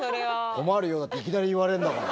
困るよだっていきなり言われるんだから。